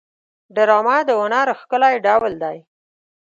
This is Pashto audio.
ډرامه د هنر ښکلی ډول دی